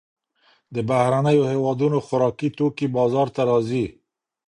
د بهرنیو هېوادونو خوراکي توکي بازار ته راځي.